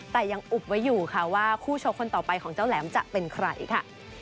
แต่ยังอุบไว้อยู่ค่ะว่าคู่ชกคนต่อไปของเจ้าแหลมจะเป็นใครค่ะ